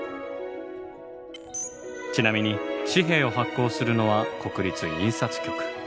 ちなみに紙幣を発行するのは国立印刷局。